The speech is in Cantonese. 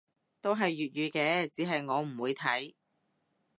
都係粵語嘅，只係我唔會睇